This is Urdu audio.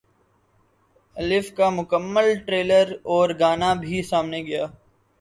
الف کا مکمل ٹریلر اور گانا بھی سامنے گیا